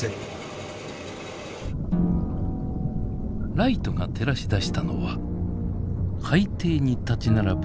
ライトが照らし出したのは海底に立ち並ぶ